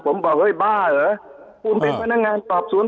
ผมบอกเฮ้ยบ้าเหรอคุณเป็นพนักงานสอบสวน